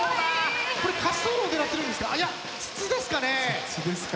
これ滑走路を狙ってるんですか？